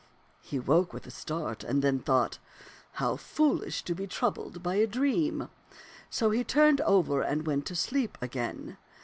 He woke with a start, and then he thought, * How fool ish to be troubled by a dream !' So he turned over and went to sleep again.